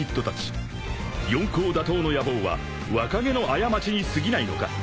［四皇打倒の野望は若気の過ちにすぎないのか？］